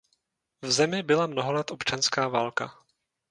V zemi byla mnoho let občanská válka.